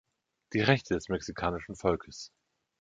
Die Rechte des mexikanischen Volkes.